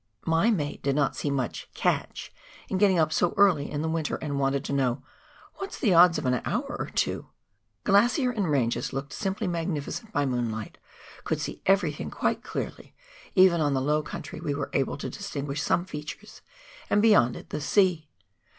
My mate did not see much " catch " in getting up so early in the winter, and wanted to know " What's the odds of an hour or two ?" Glacier and ranges looked simply magnificent by moonlight ; could see everything quite clearly — even on the low country we were able to distinguish some features, and beyond it the sea.